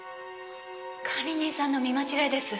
管理人さんの見間違いです。